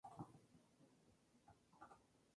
Periodista, poeta y novelista cubana.